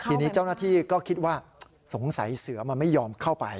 ทีนี้เจ้าหน้าที่ก็คิดว่าสงสัยเสือมันไม่ยอมเข้าไป